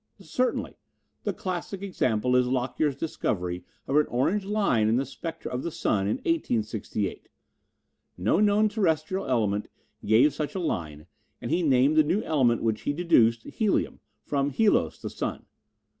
"Certainly. The classic example is Lockyer's discovery of an orange line in the spectra of the sun in 1868. No known terrestrial element gave such a line and he named the new element which he deduced helium, from Helos, the sun.